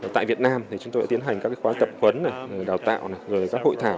tại việt nam chúng tôi đã tiến hành các khóa tập huấn đào tạo các hội thảo